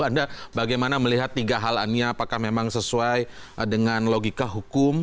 anda bagaimana melihat tiga hal ini apakah memang sesuai dengan logika hukum